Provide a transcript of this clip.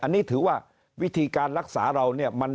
อันนี้ถือว่าวิธีการรักษาเราเนี่ย